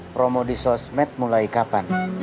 promo di sosmed mulai kapan